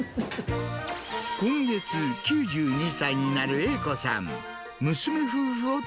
今月９２歳になる英子さん。